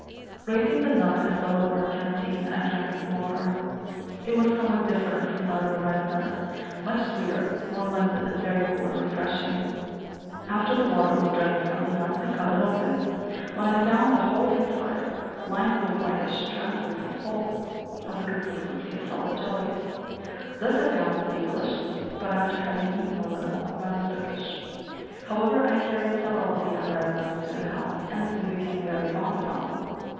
Raising the nut as though it were a canteen, I drank the water. It was somewhat different from that of a ripe nut, much sweeter, more limpid and very cool and refreshing. After the water was drained from the nut I out it open, when I found the whole inside lined with a whitish, translucent pulp, of the consistency of solid jelly. This I found to be delicious, but, after having eaten a little, rather sickish. However, I carried several of the unripe nuts to the house, and soon became very fond of them.